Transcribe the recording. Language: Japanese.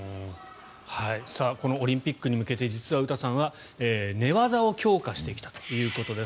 このオリンピックに向けて実は詩さんは寝技を強化してきたということです。